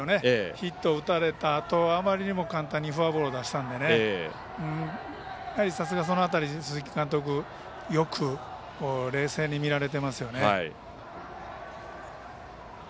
ヒットを打たれたあとあまりにも簡単にフォアボールを出したのでさすが、その辺り鈴木監督はよく冷静に見られてますよね。